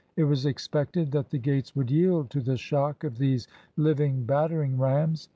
It was expected that the gates would jaeld to the shock of these living battering rams.